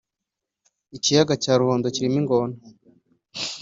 Ikiyaga cya ruhondo kirimo ingona